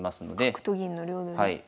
角と銀の両取り。